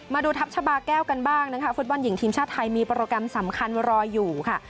มาดูทัพชาบาแก้วกันบ้างนะคะฟุตบอลหญิงทีมชาติไทยมีโปรแกรมสำคัญรออยู่ค่ะ